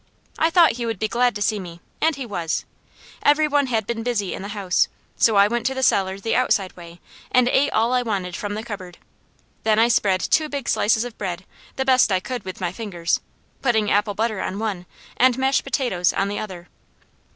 I thought he would be glad to see me, and he was. Every one had been busy in the house, so I went to the cellar the outside way and ate all I wanted from the cupboard. Then I spread two big slices of bread the best I could with my fingers, putting apple butter on one, and mashed potatoes on the other.